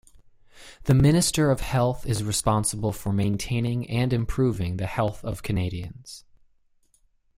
The Minister of Health is responsible for maintaining and improving the health of Canadians.